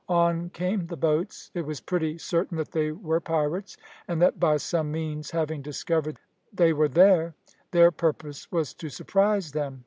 On came the boats. It was pretty certain that they were pirates, and that by some means having discovered they were there, their purpose was to surprise them.